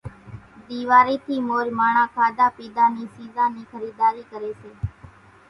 ۮيواري ٿي مور ماڻۿان کاڌا پيڌا نِي سيزان نِي خريداري ڪري سي